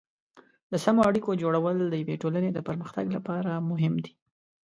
د سمو اړیکو جوړول د یوې ټولنې د پرمختګ لپاره مهم دي.